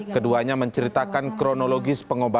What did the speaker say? keduanya menceritakan kronologis pengurusan